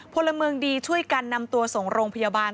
พลเมืองดีช่วยกันนำตัวส่งโรงพยาบาล